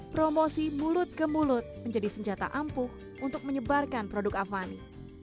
promosi mulut ke mulut menjadi senjata ampuh untuk menyebarkan produk avani